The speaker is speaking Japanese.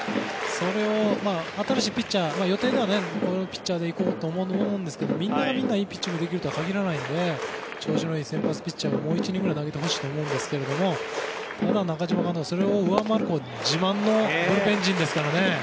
それを新しいピッチャー予定では、このピッチャーで行こうと思うんですけどみんながみんないいピッチングができないので調子のいい先発ピッチャーはもう１イニングぐらい投げてほしいと思うんですが中嶋監督にとってはそれを上回る自慢のブルペン陣ですからね。